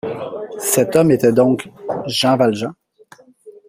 Cet homme était donc Jean Valjean.